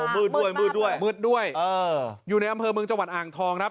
มืดด้วยมืดด้วยมืดด้วยอยู่ในอำเภอเมืองจังหวัดอ่างทองครับ